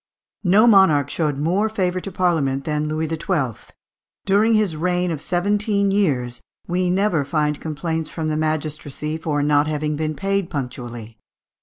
No monarch showed more favour to Parliament than Louis XII. During his reign of seventeen years we never find complaints from the magistracy for not having been paid punctually.